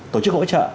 tổ chức hỗ trợ